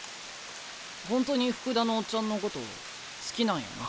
本当に福田のオッチャンのこと好きなんやな。